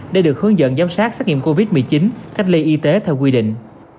để được hướng dẫn giám sát xét nghiệm covid một mươi chín cách ly y tế theo quy định